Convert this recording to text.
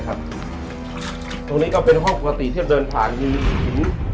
ตรงนี้ก็เป็นห้องประติเทียมเดิน